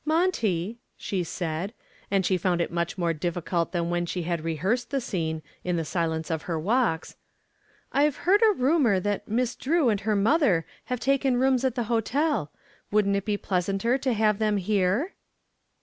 "Monty," she said, and she found it much more difficult than when she had rehearsed the scene in the silence of her walks; "I've heard a rumor that Miss Drew and her mother have taken rooms at the hotel. Wouldn't it be pleasanter to have them here?"